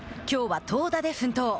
きょうは投打で奮闘。